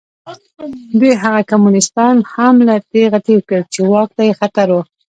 دوی هغه کمونېستان هم له تېغه تېر کړل چې واک ته یې خطر و.